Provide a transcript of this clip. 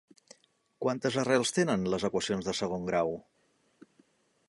Quantes arrels tenen les equacions de segon grau?